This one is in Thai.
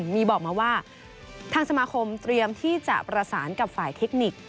มีบอกมาว่าทางสมาคมเตรียมที่จะประสานกับฝ่ายเทคนิค